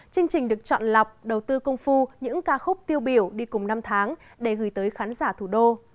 chương trình được chọn lọc đầu tư công phu những ca khúc tiêu biểu đi cùng năm tháng để gửi tới khán giả thủ đô